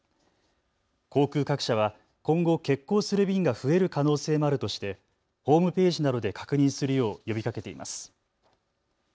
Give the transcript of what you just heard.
航空各社は今後欠航する便が増える可能性もあるとしてホームページなどで確認するよう呼びかけています。